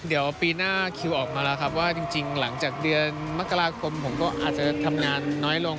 เดี๋ยวปีหน้าคิวออกมาแล้วครับว่าจริงหลังจากเดือนมกราคมผมก็อาจจะทำงานน้อยลง